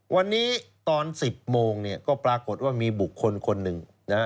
วันนี้ตอน๑๐โมงเนี่ยก็ปรากฏว่ามีบุคคลคนหนึ่งนะฮะ